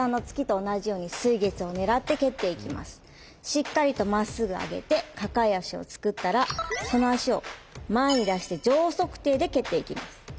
しっかりとまっすぐ上げて抱え足を作ったらその足を前に出して上足底で蹴っていきます。